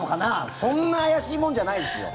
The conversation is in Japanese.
そんな怪しいもんじゃないですよ。